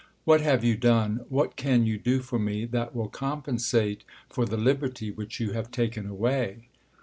What have you done, what can you do for me, that will compensate for the liberty which you have taken away